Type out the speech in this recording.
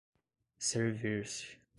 servir-se